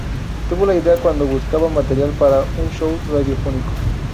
Tuvo la idea cuando buscaba material para un show radiofónico.